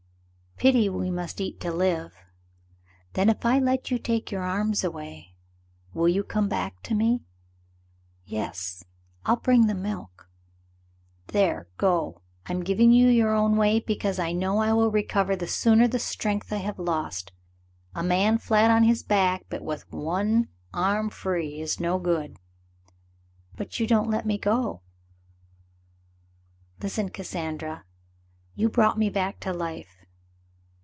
"Pity we must eat to live. Then if I let you take your arms away, will you come back to me?" "Yes. I'll bring the milk." "There, go. I'm giving you your own way because I know I will recover the sooner the strength I have lost. A man flat on his back, with but one arm free, is no good." "But you don't let me go." "Listen, Cassandra. You brought me back to life.